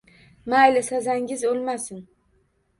Mayli, sazangiz o`lmasin